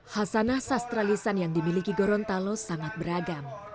hasanah sastralisan yang dimiliki gorontalo sangat beragam